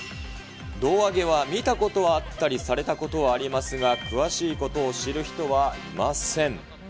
胴上げは見たことはあったり、されたことはありますが、詳しいことを知る人はいません。